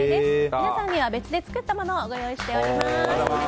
皆さんには別に作ったものをご用意しています。